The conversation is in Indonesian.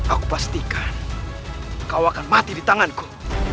aku pastikan kau akan mati di tanganku